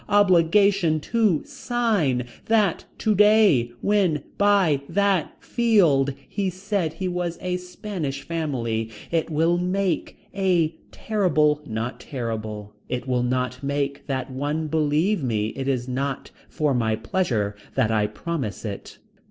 Obligation. To sign. That Today When By That Field. He said he was a Spanish family. It will make. A Terrible Not terrible. It will not make that one believe me it is not for my pleasure that I promise it.